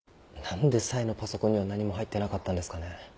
何でサイのパソコンには何も入ってなかったんですかね？